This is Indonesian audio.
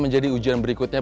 kembali untuk untuk kumpul